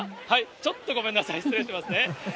ちょっとごめんなさい、失礼しますね。